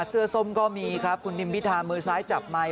ส้มก็มีครับคุณนิมพิธามือซ้ายจับไมค์